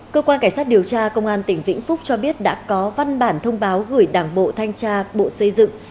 cơ quan cảnh sát điều tra công an tỉnh vĩnh phúc cho biết đã có văn bản thông báo gửi đảng bộ thanh tra bộ xây dựng